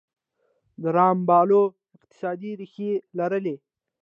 د رام بلوا اقتصادي ریښې لرلې.